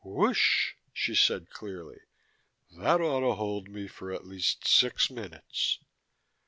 "Whoosh," she said clearly. "That ought to hold me for at least six minutes."